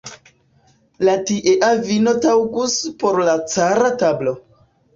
La tiea vino taŭgus por la cara tablo.